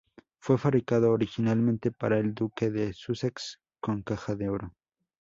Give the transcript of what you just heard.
Fue fabricado originalmente para el duque de Sussex con caja de oro.